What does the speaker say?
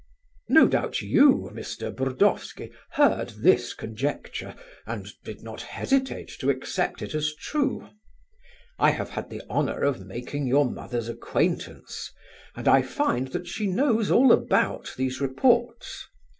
No doubt you, Mr. Burdovsky, heard this conjecture, and did not hesitate to accept it as true. I have had the honour of making your mother's acquaintance, and I find that she knows all about these reports.